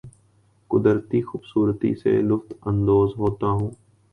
قدرتی خوبصورتی سے لطف اندوز ہوتا ہوں